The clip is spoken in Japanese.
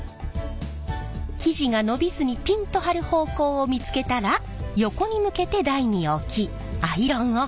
生地が伸びずにピンと張る方向を見つけたら横に向けて台に置きアイロンをかける。